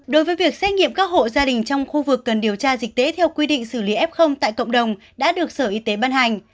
đối với việc xét nghiệm các hộ gia đình trong khu vực cần điều tra dịch tễ theo quy định xử lý f tại cộng đồng đã được sở y tế ban hành